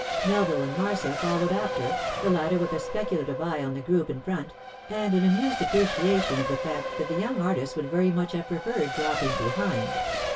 Melville and Marcia followed after, the latter with a speculative eye on the group in front, and an amused appreciation of the fact that the young artist would very much have preferred dropping behind.